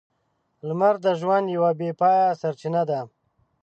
لمر د ژوند یوه بې پايه سرچینه ده.